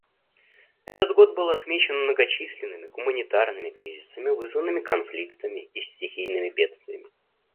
Этот год был отмечен многочисленными гуманитарными кризисами, вызванными конфликтами и стихийными бедствиями.